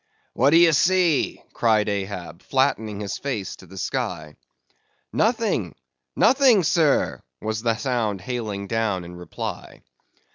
"What d'ye see?" cried Ahab, flattening his face to the sky. "Nothing, nothing sir!" was the sound hailing down in reply.